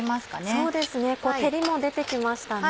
そうですね照りも出て来ましたね。